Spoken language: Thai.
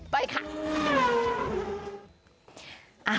ไปค่ะ